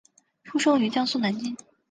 出生于江苏南京。